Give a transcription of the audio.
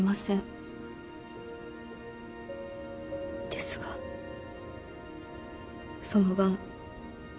ですがその晩。